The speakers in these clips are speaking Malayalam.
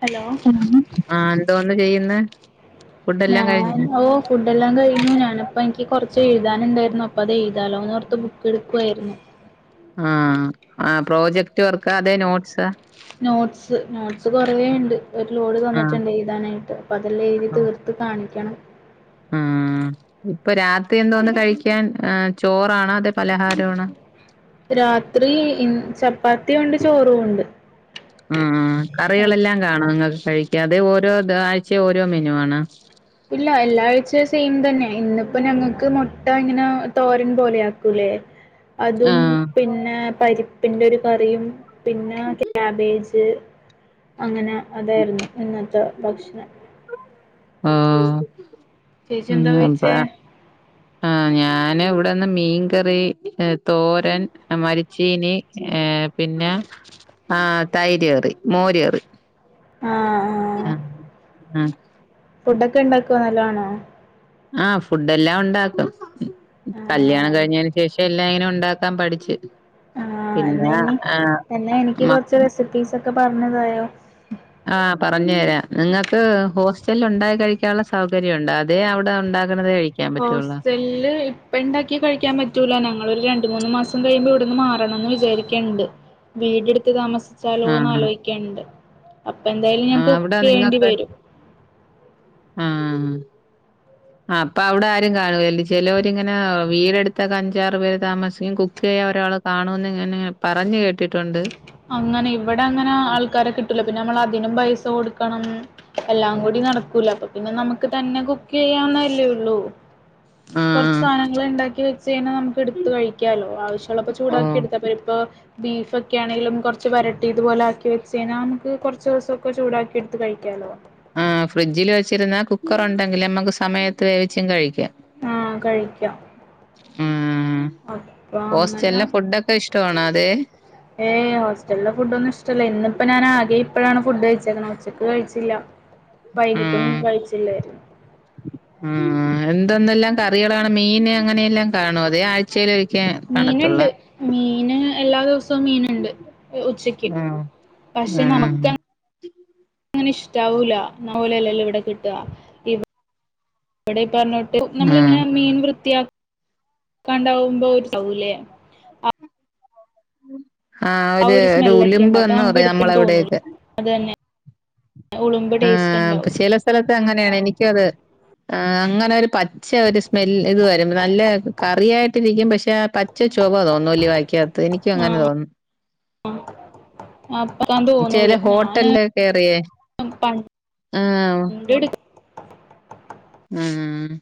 ഹലോ ആഹ് എന്തോന്ന് ചെയ്യുന്നെ ഫുഡെല്ലാം കഴിഞ്ഞോ ഞാൻ ഓ ഫുഡെല്ലാം കഴിഞ്ഞു ഞാനപ്പ ക്ക് കൊറച് എഴുതാനുണ്ടായിരുന്നു അപ്പൊ അത് എഴുതാലോന്നോർത്ത് ബുക്ക് എടുക്വയിരുന്നു ആ ആ പ്രോജക്ട് വർക്ക് അതെ നോട്ട്സ് നോട്സ് നോട് ച് കൊറേണ്ട് ഒരു ലോഡ് ആഹ് തന്നിട്ടുണ്ട് എഴുതാനായിട്ട് [unintelligible] ക്കണം ആ ഇപ്പൊ രാത്രി എന്തോന്ന് കഴിക്കാൻ ചോറാണോ അതെ പലഹാരാണോ രാത്രി മ് ചപ്പാത്തിണ്ട് ചോറുണ്ട് ആ ആ കറികളെല്ലാം കാണാം ഇങ്ങ കഴിക്കാതെ ഓരോ ത് ആഴ്ച ഓരോ മെനു ആണ് ഇന്ന്പ്പോ ഞങ്ങക്ക് മുട്ട ഇങ്ങനെ തോരൻ പോലെ ആക്കൂല്ലേ അതും ആഹ് പിന്നെ പരി പിന്നൊരു കറിയും പിന്നെ ക്യാബേജ് അങ്ങന അതാരുന്നു ഇന്നത്തെ ബഷ്ണം ആ ചേച്ചി എന്താ വെച്ചേ ആ ഞാന് ഇവിടെന്ന് മീൻകറി ഹ് തോരൻ ഹേ മരിച്ചീനി ഏ പിന്നെ ആ തൈര് കറി മോര് കറി ആഹ് ആഹ് ആ ആ ഫുഡൊക്കെ ഇണ്ടാക്കോ നല്ലോണം ആ ഫുഡ് എല്ലാം ഉണ്ടാക്കും കല്യാണം ആഹ് കഴിഞ്ഞേന് ശേഷം എല്ലാം എങ്ങനെ ഉണ്ടാക്കാൻ പഠിച്ച് ആ എന്ന പിന്നെ ഇനി ആഹ് എന്നാ എനിക്ക് മ കുറച്ച് റെസിപ്പീസൊ ഒക്കെ പറഞ്ഞതായോ ആ പറഞ്ഞരാം നിങ്ങക്ക് ഹോസ്റ്റല് ഉണ്ടക്കി കഴിക്കാനുള്ള സൗകര്യണ്ടോ അതെ അവിടെ ഉണ്ട ഹോസ്റ്റല് ഇപ്പ ഇണ്ടാക്കി കഴിക്കാൻ പറ്റൂല ഞങ്ങളൊര് രണ്ട് ണ്ട് മൂന്ന് മാസം കയുമ്പോ ഇവിടുന്ന് മാറണംന്ന് വിചാരിക്ണ്ട് വീടെട്ത്ത് താമ ച്ചാലോന്ന് ആഹ് ആലോചിക്കണ്ട് അപ്പൊ എന്തായാലും ഞങ്ങക്ക് ആഹ് അവിടെ കുക്ക് ചെയ്യേണ്ടി നിങ്ങൾക്ക് വരും ആ അപ്പൊ അവിടെ ആരും കാണുവല്ല് ചേലോരിങ്ങനെ ആഹ് വീടെടുത്തൊക്കെ അഞ്ചാറ് പേര് താമസിക്കയും കുക്ക് ചെയ്യാ ഒരാള് കാണുവന്ന് ഇങ്ങനെ പറഞ്ഞു കേട്ടിട്ടുണ്ട് അങ്ങനെ ഇവിടെ അങ്ങനെ ആൾക്കാരെ കി ട്ടൂല്ല പിന്നെ നമ്മളതിനും പൈസ കൊടുക്കണം എല്ലാം കൂടി നടക്കൂല അപ്പ പിന്നെ നമുക്ക് തന്നെ കുക്ക് ചെയ്യാവുന്നല്ലേയുള്ളൂ കൊറച്ച് ആഹ് സാധനങ്ങള് ഇണ്ടാക്കി വച്ച് കയിഞ്ഞാ നമുക്ക് എടുത്ത് കഴിക്കാലോ ആവശ്യമുള്ളപ്പോ ചൂടാക്കി ഓഹ് എടുത്താ പോരെ ഇപ്പോ ബീഫൊക്കെയാ ന്നേലും കൊറച്ച് വരട്ടി ഇതുപോലെ ആക്കി വെച്ച് കഴിഞ്ഞാ നമുക്ക് കൊറച്ച് ദിവസൊക്കെ ചൂടാക്കി എടുത്ത് കഴിക്കാലോ ആ ഫ്രിഡ്ജിൽ വെച്ചിരുന്നാ കുക്കറൊണ്ടെങ്കിൽ നമ്മുക്ക് സമയത്ത് വേവിച്ചും കഴി ആഹ്‌ കഴിക്കാം ഉം അപ്പൊ അങ്ങനെ ഹോസ്റ്റലിലെ ഫുഡൊക്കെ ഇഷ്ടമാണോ അതെ ഏയ് ഹോസ്റ്റലെ ഫുഡോന്നും ഇഷ്ടല്ല ഇന്നിപ്പ ഞാനാകെ എപ്പോഴാണ് ഫുഡ് കഴിച്ചേക്കുന്നത് ഉച്ചക്ക് കഴിച്ചില്ല വൈകിട്ടും ഉം കഴിച്ചില്ലായിരുന്നു ഉം എന്തെന്നെല്ലാം കറികളാണ് മീന് അങ്ങനെല്ലാം കാണുവോ അതെയോ ആഴ്ചയിലൊരി മീനുണ്ട് മീന് എല്ലാ ദിവസ സോം മീന്ണ്ട് ഏഹ് ഉച്ചക്ക് ഉം പക്ഷെ ഉം നമുക്ക അങ്ങനെ ഇഷ്ടാവൂലാ [unintelligible] ഓലല്ലല്ലോ ഇവിടെ കിട്ടാ ഇവിടെ ഈ പറഞ്ഞ നമ്മള ഉം ഇങ്ങനെ മീൻ വൃത്തിയാ കണ്ടാവുമ്പോ ഒരു സകല ആ ഒരു ഒരു സ്മെല്ലൊക്കെ ഉലിമ്പ് ഉണ്ടാവും അപ്പൊ എന്ന് നമുക്ക് പറയും എടുത്തെന്ന് തോന്നൂല നമ്മളവിടേക്ക് അത് തന്നെ ഉളുമ്പ് ടേസ്റ്റ് ആഹ അപ്പൊ ഉണ്ടാവും ചില സ്ഥലത്ത് അങ്ങനെയാണ് എനിക്കും അത് ആ അങ്ങനെ ഒരു പച്ച ഒരു സ്മെല് ഇത് വരുും നല്ല കറിയായിട്ടി ഇരിക്കും പക്ഷെ പ പച്ച ചൊവ തോന്നുല്ലി വായിക്കാത്ത എനിക്ക അങ്ങനെ ആഹ് തോന്നുന്നു അപ്പക്കാൻ ചേില ഹോട്ടലില കയറിയേ എ ഉം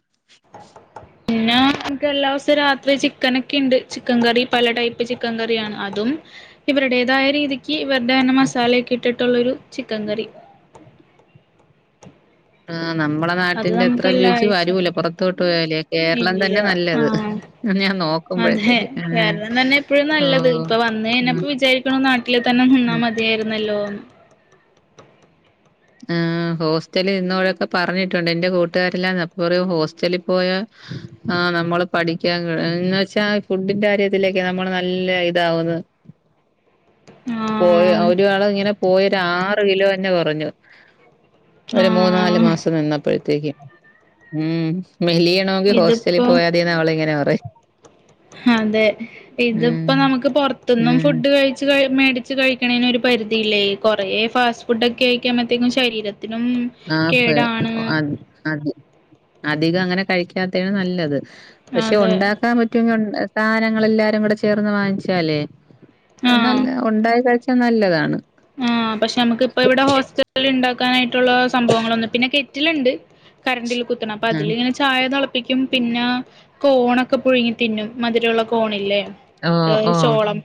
പിന്നെ ഞങ്ങൾക്ക് എല്ലാം ദിവസം രാത്രി ചിക്കനൊക്കെ ഉണ്ട് ചിക്കൻ കറി പല ടൈപ്പ് ചിക്കൻ കറിയാണ് അതും ഇവരുടേതായ രീതിക്ക് ഇവരുടെ മസാലക്ക് ഇട്ടിട്ടുള്ളൊരു ചിക്കൻ കറി ആഹ് നമ്മളെ അത് നാട്ടിന്റെ നമുക്ക് അത്ര എല്ലാ രുചി ആഴ്ച വരൂല പുറത്തോട്ട് പോയാലേ കേരളം ഇല്ല തന്നെ നല്ലത്. ആഹ ഞാൻ അതെ നോക്കുമ്പോഴത്തേക്ക് ആഹ് കാരണം തന്നെ എപ്പോഴും നല്ലത് ഓഹ് ഇപ്പൊ ഉം വന്നപ്പോൾ വിചാരിക്കണ നാട്ടില് തന്നെ നിന്നാ ഉം മതിയായിരുന്നല്ലോ ആ ഹോസ്റ്റല് ഇന്നോടെൊക്കെ പറഞ്ഞിട്ടുണ്ട് എറെ കൂട്ടുകാരല്ലാം എപ്പറും ഹോസ്റ്റലിൽ പോയ ആ നമ്മള് പഠിക്കാൻ എന്നന്ന് വെച്ചാ ഫുഡിന്റെ കാര്യത്തിലൊക്കെ നമ്മൾ നല്ല ഇതാവുന്നു പോയ ആഹ് ഒരാള് ഇങ്ങനെ പോയ ആറ് കിലോ തന്നെ കുറഞ്ഞു [unintelligible] ഒരു മൂന്നാല് ആഹ് മാസം ഇന്നപ്പോൾ ശെരിയാ ഉം മെലിയണമെങ്കിൽ ഹോസ്റ്റലിൽ ഇതിപ്പോ പോയാ മതിന്ന് അവള ഇങ്ങനെ പറ അതെ ഇതിപ്പോ നമുക്ക് പുറത്തുന്നു ഉം ഫുഡ് കഴിച്ച മേടി വച്ച് കഴിക്കുന്നേതിന ഒരു പരിധിയില്ലേ കുറെേ ഫാസ്റ്റ് ഫുഡ് ഒക്കെ കഴിക്കുമ്പോത്തേക്കും ശരീരം ശരീരത്തിനും ആഹ് പ് കേടാണ് അത് അത് അധികം അങ്ങനെ കഴിക്കാത്താണ് നല്ലത് പക്ഷെ അതെ ഉണ്ടാക്കാൻ പറ്റുമങ്കിൽ സാധനങ്ങൾ എല്ലാരും കൂടെ ചേർന്ന് വാങ്ങിച്ചാലേ നല്ലേ ഉണ്ടായ കാഴച നല്ലതാണ് ആ പക്ഷെ നമുക്ക് ഇപ്പ ഇവിടെ ഹോസ്റ്റല ഉണ്ടാക്കാനായിട്ട് സംഭവങ്ങള ഒന്ന പിന്നെ വീട്ടിൽ ഉണ്ട് കറന്റിൽ കുത്തി അപ്പ അതില ആഹ് ഇങ്ങനെ ചായ പിടിക്കും പിന്നെ കോണൊക്കെ പുഴുങ്ങി തിന്നും മധുരമുള്ള കോണല്ലേ ഏ ഓഹ് ഓഹ് ചോളം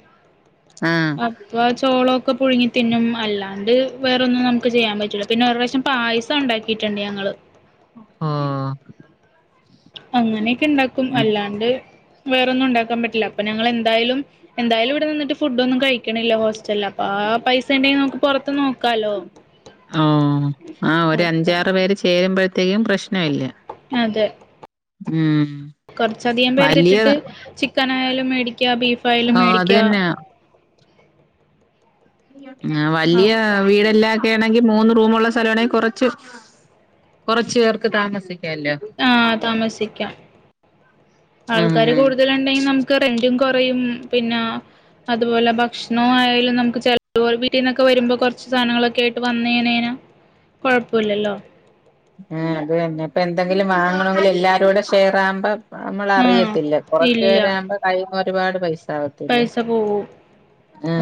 ആഹ് അപ്പൊ ചോളം ഒക്കെ ഒക്കെ പുഴങ്ങി പിന്നും അല്ലാണ്ട് വേറൊന്നും നമുക്ക് ചെയ്യാൻ പറ്റൂല പിന്നെ വേറെയൊരുദിവസം പായസം ഉണ്ടാക്കിയിട്ടുണ്ട് ഞങ്ങള്ൾ ആ അങ്ങനെയൊക്കെ ഇണ്ടാക്കും അല്ലാണ്ട് വേറൊന്നും ഉണ്ടാക്കാൻ പറ്റില്ലപ്പ ഞങ്ങൾ എന്തായാലും എന്താലും ഇവിടെ നിന്നിട്ട് ഫുഡ്‌ ഒന്നും കഴിക്കണില്ല ഹോസ്റ്റലിൽ അപ്പൊ ആ പൈസ ഉണ്ടെങ്കിൽ നമുക്ക് പുറത്ത് നോ അഹ് ആഹ് ഒരു അപ്പ അഞ്ചാറ് പേര് ചേരുമ്പോഴ അത്രെയും പ്രശ്ന ഇല്ല അതെ ഉം കുറച്ചധികം വലിയ പേരിട്ടിട്ട് ചിക്കൻ [unintelligible] ബീഫായാലും ഓഹ് അത് മേടിക്കുക തന്നെ [inaudible] ആഹ് വലിയ അപ്പ വീടെല്ലാ [unintelligible] മൂന്ന് റൂമുള്ള സ്ഥല ആണെങ്കിൽ കുറച്ച് കൊറച്ച് പേർക്ക് താമസിക്കും ആഹ് താമസിക്കാം ആൾക്കാര് ആഹ് കൂടുതല ഉണ്ടെങ്കിൽ നമുക്ക് റെന്റും കൊറയും പിന്നെ അതുപോലെ ഭക്ഷണ ആയാലും നമുക്ക് ചില വീട്ടിൽന്നൊക്കെ വരുമ്പോ കുറച്ച് സാധനങ്ങളൊക്കെ ആയിട്ട് വന്ന കഴിഞ്ഞ കൊഴപ്പില്ലല്ലോ ആഹ് അത് തന്നെ ഇപ്പൊ എന്തെങ്കിലും വാങ്ങണമെങ്കിൽ എല്ലാരും കൂടെ ഷെയർ ആകുമ്പോ ആഹ് നമ്മളറിയത്തില്ല കൊറച്ചു ഇല്ല പേരാവുമ്പോ കഴി ഒരുപാട് പൈസ ആവത്തില്ലേ പൈസ പോകും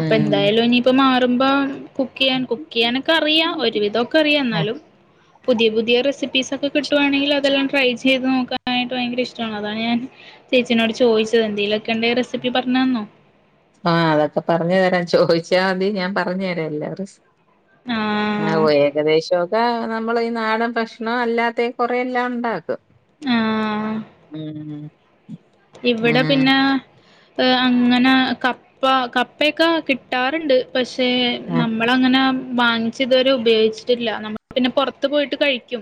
അപ്പൊ എന്തായാലും ഇനീപ്പ മാർ ടുമ്പം കുക്ക് ചെയ്യാൻ കുക്ക് ചെയ്യാനൊക്കെ അറിയാം ഒരുവിധോക്കെ അറിയാം എന്നാലും പുതിയ പുതിയ റെസിപ്പീസൊക്കെ കിട്ടുവാണെങ്കിൽ അതെല്ലാം ട്രൈ ചെയ്ത് നോക്കാനായിട്ട് ഭയങ്കര ഇഷ്ടമാണ് അതാണ് ഞാൻ ചേച്ചിനോട് ചോദിച്ചത് എന്തേലൊക്കെണ്ടേ റെസിപ്പി പറഞ്ഞു ന്നന്നോ ആഹ അതൊക്കെ പറഞ്ഞു തരാം ചോദിച്ചാൽ മതി ഞാൻ പറഞ്ഞു തരാം എല്ലാം ആ ആഹ് വ ഏകദേശോക്ക നമ്മള ഈ നാടൻ ഭക്ഷണോം അല്ലാത്ത കൊറെ എല്ലാം ഉണ്ടാക്കും ആഹ് ഉം ഉം ഇവിടെ പിന്നെ അങ്ങനെ കപ്പ കപ്പയൊക്കെ കിട്ടാറുണ്ട് പക്ഷേ ആഹ് നമ്മളങ്ങനെ വാങ്ങിച്ച ഇതുവരെ ഉപയോഗിച്ചിട്ടില്ല നമ്മൾ പിന്നെ പുറത്ത് പോയിട്ട് കഴിക്കും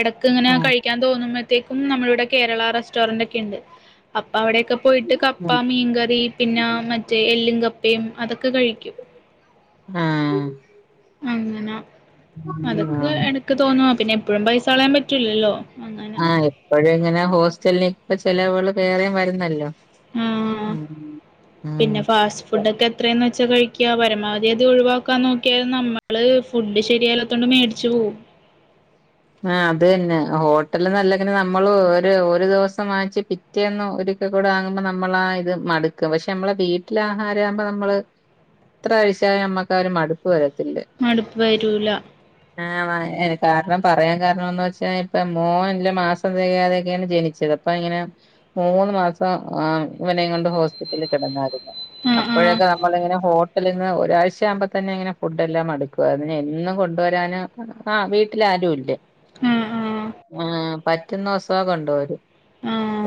എടക്ക് ഇങ്ങനെ കഴിക്കാൻ തോന്നും കേക്കും നമ്മള ഇവിടെ കേരളാ റെസ്റ്റോറന്റ് ഒക്കെ ഉണ്ട് അപ്പൊ അവിടൊക്കെ പോയിട്ട് കപ്പ ആഹ് മീൻകറി പിന്നെ മറ്റേ എല്ലും കറി പ്പയും അതൊക്കെ കഴിക്കും ഉം അങ്ങന അതൊക്കെ ആഹ് എടക്ക് തോന്നുവ പിന്നെ എപ്പോഴും പൈസ കളയാൻ പറ്റൂലല്ലോ അങ്ങനെ ആ എപ്പഴും ഇങ്ങനെ ഹോസ്റ്റലില് ഇപ്പ ചെലവികള് വേറെയും വരുന്നല്ലോ ആ ഉം പിന്നെ ഫാസ്റ്റ് ഉം ഫുഡ് ഒക്കെ എത്രന്ന് വെ ച്ച കഴിക്ക പരമാവധി അത് ഒഴിവാക്കാൻ നോക്കിയാലും നമ്മള് ഫുഡ് ശരിയല്ലാത്തോണ്ട് മേടിച്ചു പോവും ആ അത് തന്നെ ഹോട്ടൽ നല്ലങ്ങനെ നമ്മൾ ഒരു ഒരു ദിവസം വാങ്ങിച്ച് പിറ്റേന്നും ഒരിക്കൽ കൂടെ വാങ്ങുമ്പോ നമ്മളാ ഇത് മടുക്കും പക്ഷെ നമ്മളെ വീട്ടിൽ ആഹാരം ആകുമ്പോ നമ്മള് എത്ര കഴിച്ചാലും നമ്മക്ക് ആ ഒരു മടുപ്പ് വരത്തി മടുപ്പ് വരൂല ല്പ ആ പറയാൻ കാരണോന്ന് വെച്ച ഇപ്പ മോൻ ഇല്ല മാസം തികയാതെയൊക്കെയാണ് ജനിച്ചത് അപ്പൊ ഇങ്ങനെ മൂന്ന് മാസം അ ഇവനേം കൊണ്ട് ഹോസ്പിറ്റലിൽ കിടന്നാരുന്നു ആഹ് ആഹ് അപ്പോഴൊക്കെ നമ്മളിങ്ങനെ ഹൊ [unintelligible] ഒരാഴ്ച ആകുമ്പോ തന്നെ ഇങ്ങനെ ഫുഡ് എല്ലാം അടുക്കും അതിനെ എന്നും കൊണ്ടുവരാന് ആ വീട്ടിൽ ആരുമില്ല ആഹ് ആഹ് ആഹ് പറ്റുന്നൊസം കൊണ്ടൊരും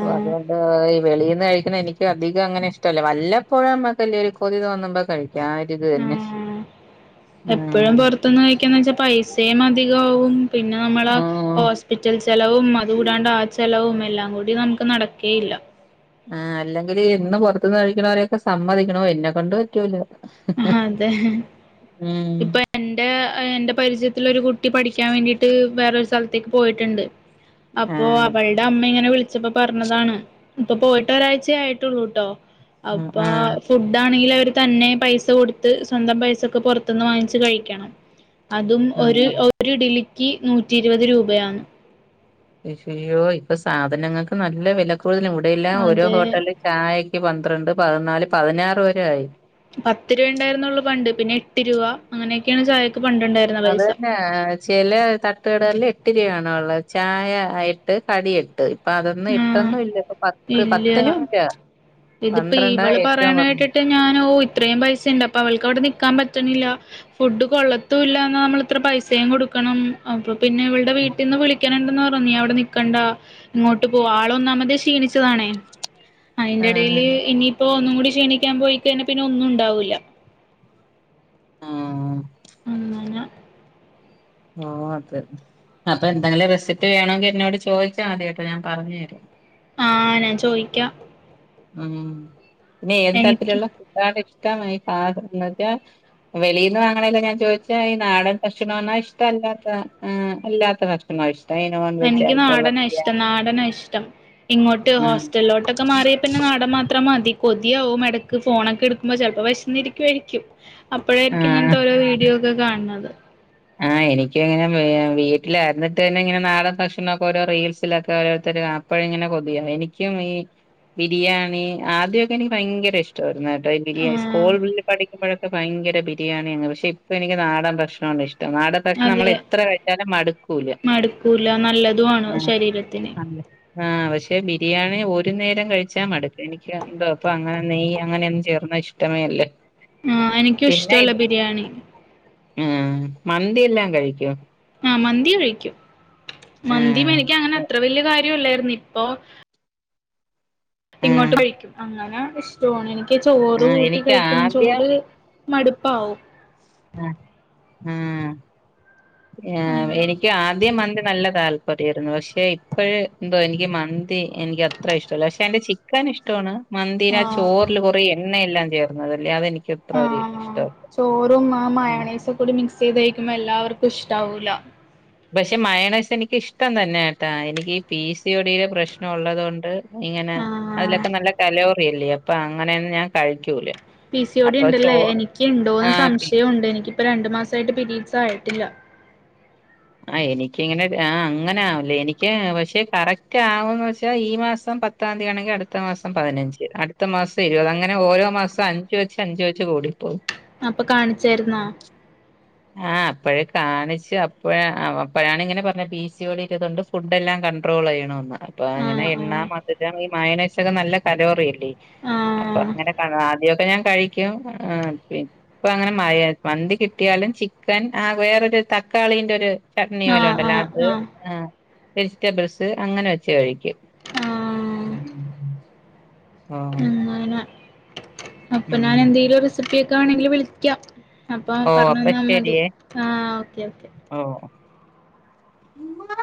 ഓ അതുകണ്ട് ഈ വെളീന്ന് കഴി എനിക്ക് അധികം അങ്ങനെ ഇഷ്ടല്ല വല്ലപ്പോഴും നമ്മക്ക് വല്ല ഒരു കൊതി തോന്നുമ്പോൾ കഴിക്കാം ആ എപ്പോഴും ഉം പൊറത്തിന്ന് കഴിക്കാന്ന് വെച്ചാ പൈസയും അതി കാവും [unintelligible] പിന്നെ നമ്മള ഉം ഹോസ്പിറ്റൽ ച് [unintelligible] ചെലവും അതുകൂടാണ്ട് ആ ചെലവും എല്ലാം കൂടി നമുക്ക് നടക്കേയില്ല ആ അല്ലെങ്കിൽ ഇന്ന് പുറത്ത്ന്ന് കഴിക്കണവരെയൊക്കെ സമ്മതിക്കണോ എന്നെക്കൊണ്ട് പറ്റൂല ആ അതെ ഉം ഇപ്പൊ എന്റെ- എന്റെ പരിചയ- തിലൊരു കുട്ടി പഠിക്കാൻ വേണ്ടിയിട്ട്- വേറോരു സ്ഥലത്തേക്ക് പോയിട്ടുണ്ട് അപ്പൊ ആഹ് അവളുടെ അമ്മ ഇങ്ങനെ വിളിച്ച- ച്ചപ്പോ പറഞ്ഞതാണ് ഇപ്പൊ പോയിട്ട് ഒരാഴ്ചയ ആയിട്ടുള്ളൂട്ടോ ആഹ് അപ്പ ആഹ് ഫുഡ ആണെങ്കിൽ തന്നെ പൈസ- സ കൊടുത്ത് സ്വന്തം പൈസക്ക് പുറത്തുന്ന് വാങ്ങിച്ച് കഴിക്കണം അതും ഒര് ആഹ് ഒരു ഇഡിലി കി നൂറ്റി ഇരുപത് രൂപയാണ് ശയ്യോ ഇപ്പൊ സാധനങ്ങൾക്ക് നല്ല വില ഇപ്പോഴതിനും ഇവിടെല്ല ഓരോ അത് ഹോട്ടലിൽ ചായ- പന്ത്രണ്ട് പതിനാല് പതിനാറ് വരെ ആയി പത്ത് രൂപ ഉണ്ടായിരുന്നുള്ളു പണ്ട് പിന്നെ എട്ട് രൂവ അങ്ങനെയൊക്കെയാണ് ചായ അത് തന്നെ ചില തട്ടുകടല്ലേ ഇട്ടരിയാണ ഉള്ളത് ചായ ആയിട്ട് കടി എട്ട് അതൊന്നും ആ എട്ടൊന്നും ഇല്ല ഇപ്പൊ പത്ത് ഇല്ല പത്തിനും ഇല്ല ഇതിപ്പോ പന്ത്രണ്ടാ ഇവള് ഏറ്റവും പറയണ കുറഞ്ഞത് കേട്ടിട്ട് ഞാന ഓ ഇത്രയും പൈസുണ്ട് അപ്പൊ അവൾക്ക് അവിടെ നിക്കാൻ പറ്റണില്ല ഫുഡ് കൊള്ളത്തും ഇല്ലാന്നാ നമ്മള ഇത്ര പൈസയും കൊടുക്കണം അപ്പം പിന്നെ ഇവൾടെ വീട്ടിൽന്ന് വിളിക്കാനു നീ അവിടെ നിക്കണ്ട ഇങ്ങോട്ട് ട്ടു പോ ആളൊന്നാമതെ ക്ഷീണിച്ചതാണേ ആ ആഹ് അയിന്റെടയില് ഇനിയിപ്പോ ഒന്നും കൂടി [unintelligible] പോയിക്ക പിന്നെ ഒന്നും ഉണ്ടാവൂല്ല ആഹ് അങ്ങനെ ഓ അത് അപ്പൊ എന്തെങ്കിലും റെസിപ്പി വേണമെങ്കി എന്നോട് ചോദിച്ചാ മതി കേട്ടോ ഞാൻ പറഞ്ഞുരാം ആഹ് ഞാ ചോയിക്ക ആഹ് പിന്നെ ഏത് തരത്തിലുള്ള [unintelligible] ഇഷ്ടമായി [unintelligible] ച്ചാ വെളിൽന്ന് വാങ്ങണെല്ല ഞാൻ ചോദിച്ചാ ഈ നാടൻ ഭക്ഷണന്നാ ഇഷ്ടമല്ലാത്ത അല്ലാത്ത ഭക്ഷണങ്ങളാ ഇഷ് എനിക്ക് നാടന ഇഷ്ടം നാടന ഇഷ് ത്തം ഇങ്ങോട്ട് ആഹ് ഹോസ്റ്റലിലോട്ടൊക്കെ മാറിയ പിന്നെ നാടൻ മാത്രം മതി കൊതിയാവും മെടക്ക് ഫോണൊക്കെ എടുക്കുമ്പോ ചെലപ്പൊ വേഷന്ന് ഇരിക്കാരികും അപ്പോഴായിരിക്കും ആഹ് ഇങ്ങനത്തെ ഒരോ വീഡിയോ [unintelligible] കാണത് ആഹ് എനിക്കിങ്ങനെ വീട്ടിലായിരുന്നിട്ട് തന്നെ ഇങ്ങനെ നാടൻ ഭക്ഷണംമൊക്കെ ഓരോ റീൽസിലൊക്കെ ഓരോരുത്തർ അപ്പഴ ഇങ്ങനെ കൊതിയ എനിക്കും ഈ ബിരിയാണി ആദ്യമൊക്കെ എനിക്ക് ഭയങ്കര ഇഷ്ടംമായിരു കെ [unintelligible] രി ആഹ് സ്കൂൾ പഠിക്കുമ്പോഴ ഭയങ്കര ബിരിയാണിയാണ് പക്ഷ ഇപ്പോ എനിക്ക് നാടൻ ഭക്ഷണാ ഇഷ് നാടൻ ഭക്ഷണം നമ്മൾ അതെ എത്ര കഴിച്ചാലും മടുക്കൂല മടുക്കൂല നല്ലതുമാണ് ആ ശരീരത്തിന് അ ആഹ് പക്ഷെ ബിരിയാണി ഒരു നേരം കഴിച്ചാ മടുക്കും എനിക്ക് എന്തോ അപ്പൊ അങ്ങനെ നെയ്യ് അങ്ങനെ ഒന്നും ചേർന്ന ഇഷ്ടമേ അല്ല ആഹ് എനിക്കും ഇഷ്ടല്ല ബിരിയാണി ഉം മന്തിയെല്ലാം കഴിക്കോ ആഹ് മന്തി കഴിക്കും മന്തി ആഹ് മേടിക്കാനങ്ങനത്ര വലിയ കാര [unintelligible] ഇപ്പൊ ആഹ് ഇങ്ങോട്ട് കഴിക്കും അങ്ങനെ ഇഷ്ടവാണെ നിക്ക് ചോറ് ആഹ് കൂട്ടി എനിക്ക് കഴിക്കും ആദ്യം ചോറ് മടുപ്പാവും ഉം ഉം ആ അങ്ങനെ എനിക്ക് ആദ്യം മന്ത് നല്ല താല്പര്യമായിരുന്നു പക്ഷെ [unintelligible] ഇപ്പോഴ്‌ എന്തോ എനിക്ക് മന്തി എനിക്കത്ര ഇഷ്ടല്ല പക്ഷെ അയ്ന്റെ ചിക്കൻ ഇഷ്ട്ടാണ് ആഹ് മന്തിടാചോറില് കുറെ എണ്ണ എല്ലാം [unintelligible] [unintelligible] ആഹ് ചോറും ആ ഉം മായണേസും ക്ക്കൂടി മിക്സ് [unintelligible] എല്ലാവർക്കും ഇഷ്ട്ടാവൂല്ല പക്ഷെ മൈണസ് എനിക്കിഷ്ടം തന്നെ ആട്ടാ എനിക്ക് ഈ പി സി യോടിടെ പ്രശ്നം ഉള്ളത്കൊണ്ട് ഇങ്ങനെ ആഹ് അതിലൊക്കെ നല്ല [unintelligible] അല്ലേ അപ്പൊ അങ്ങനെയൊന്നും ഞാൻ കഴിക്കൂല പി സി ഒ ടി അപ്പൊ ഇണ്ടല്ലേ ചോറ് എനിക്ക്ണ്ടോന്ന് ആഹ് പി സംശയംഒണ്ട് എനിക്കിപ്പോ രണ്ടു മാസായിട്ട് പിരീഡ്സ് ആയി ഇല്ല ആ എനിക്കിങ്ങനെ ആ അങ്ങനെ ആവില്ല എനിക്ക് പക്ഷെ കറക്റ്റ് ആവോന്ന് വച്ചാ ഈ മാസം പത്താംതീയാണെങ്കി അടുത്ത മാസം പതിനഞ്ച് അടുത്ത മാസം ഇരുപത് അങ്ങനെ ഓരോ മാസം അഞ്ചുവച്ച് അഞ്ചുവെച്ച് കൂടിപ്പോവും അപ്പൊ കാണിച്ചാരുന്നോ ആ അപ്പോഴേ കാണിച്ചു അപ്പോഴാ അപ്പോഴാണ് ഇങ്ങനെ പറഞ്ഞത് പി സി ഒ ടിടെതിണ്ട് ഫുഡ് എല്ലാം കണ്ട്രോള് ചെയ്യണന്ന് അപ്പൊ അങ്ങനെ ആഹ് എണ്ണാ മധുരം ഈ [unintelligible] [unintelligible] നല്ല [unintelligible] അപ്പൊ ആഹ് അങ്ങനൊക്കെ ആദ്യൊക്കെ ഞാൻ [unintelligible] ആ ഇപ്പങ്ങനെ മയ മന്തി കിട്ടിയാലും ചിക്കൻ ആ വേറൊരു തക്കാളീന്റൊരു ചട്നി ആഹ് ആഹ് പോലണ്ടല്ലോ ആഹ് അത് ആഹ് ആ വെജിറ്റബിൾസ് അങ്ങനെ വെച്ച് കഴിക്കും [inaudible] ആഹ് ആഹ് [unintelligible] അപ്പൊ ഉം ഞാൻ എന്തേലും റെസിപ്പി [unintelligible] വിളിക്കാം അപ്പൊ ഓ പറഞ്ഞു അപ്പൊ തന്നാമതി ശരിയേ ആ ഓക്കേ ഓക്കേ ഉമ്മാ